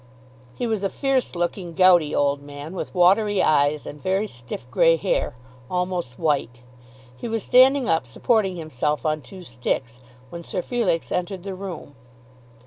He was a fierce looking, gouty old man, with watery eyes, and very stiff grey hair, almost white. He was standing up supporting himself on two sticks when Sir Felix entered the room.